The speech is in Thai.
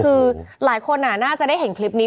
คือหลายคนน่าจะได้เห็นคลิปนี้